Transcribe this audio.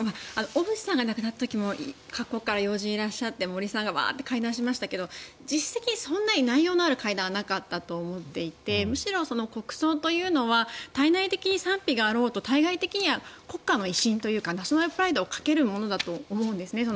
小渕さんが亡くなった時も各国から要人がいらっしゃって森さんがワーッと会談しましたが実績、そんなに内容のある会談はなかったと思っていてむしろ国葬というのは対内的に賛否があろうと対外的には国家の威信というかナショナルプライドをかけるものだと思うんですね。